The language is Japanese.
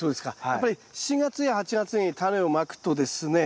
やっぱり７月や８月にタネをまくとですね